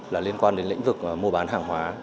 là liên quan đến lĩnh vực mua bán hàng hóa